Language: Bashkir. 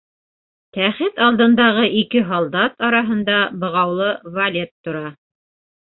Тәхет алдындағы ике һалдат араһында бығаулы Валет тора.